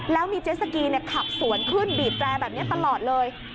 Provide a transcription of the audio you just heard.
แล้วมีเจสสกีขับสวนขึ้นบีบแตรแบบนี้ตลอดเลย